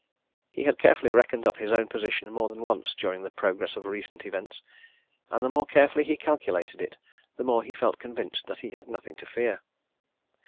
He had carefully reckoned up his own position more than once during the progress of recent events, and the more carefully he calculated it the more he felt convinced that he had nothing to fear.